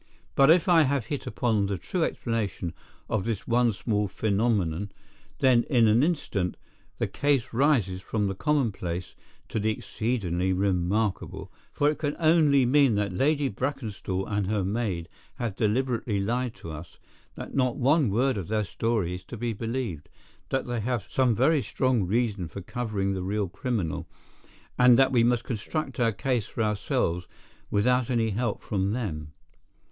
But if I have hit upon the true explanation of this one small phenomenon, then in an instant the case rises from the commonplace to the exceedingly remarkable, for it can only mean that Lady Brackenstall and her maid have deliberately lied to us, that not one word of their story is to be believed, that they have some very strong reason for covering the real criminal, and that we must construct our case for ourselves without any help from them.